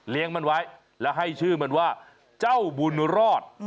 มันไว้แล้วให้ชื่อมันว่าเจ้าบุญรอด